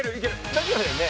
大丈夫だよね？